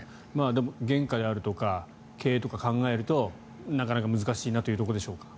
でも、原価であるとか経営とか考えるとなかなか難しいなというところでしょうか。